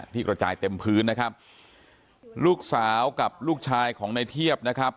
กระจายเต็มพื้นนะครับลูกสาวกับลูกชายของในเทียบนะครับ